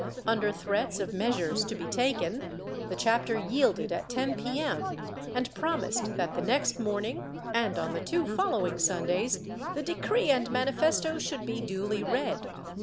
Under threats of measures to be taken, the chapter yielded at 10 p.m. and promised that the next morning, and on the two following Sundays, the decree and manifesto should be duly read.